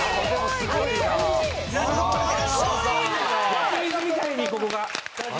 湧き水みたいにここが。